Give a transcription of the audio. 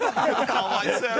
かわいそうやな。